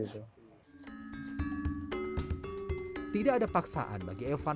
tidak ada paksaan bagi evan